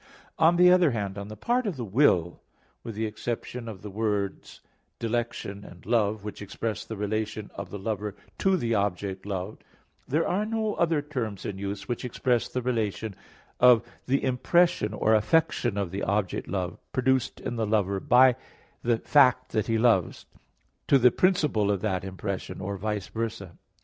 On the other hand, on the part of the will, with the exception of the words "dilection" and "love," which express the relation of the lover to the object loved, there are no other terms in use, which express the relation of the impression or affection of the object loved, produced in the lover by fact that he loves to the principle of that impression, or "vice versa."